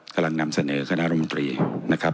กำลังนำเสนอคณะรมตรีนะครับ